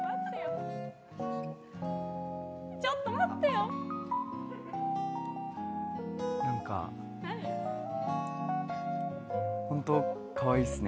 ちょっと待ってよなんかほんとかわいいっすね。